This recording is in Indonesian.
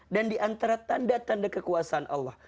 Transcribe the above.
dan diantara tanda tanda kekuasaan allah